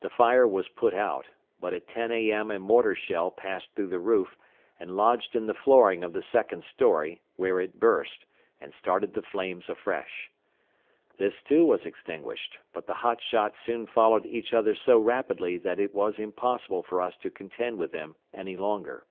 The fire was put out; but at 10 A.M. a mortar shell passed through the roof, and lodged in the flooring of the second story, where it burst, and started the flames afresh. This, too, was extinguished; but the hot shot soon followed each other so rapidly that it was impossible for us to contend with them any longer.